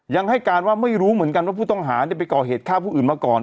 ยังให้การว่าไม่รู้เหมือนกันว่าผู้ต้องหาไปก่อเหตุฆ่าผู้อื่นมาก่อน